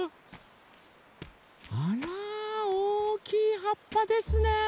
あらおおきいはっぱですね